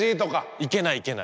行けない行けない。